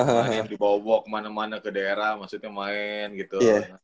main di bawah bau kemana mana ke daerah maksudnya main gitu